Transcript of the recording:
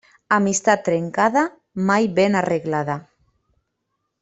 Amistat trencada, mai ben arreglada.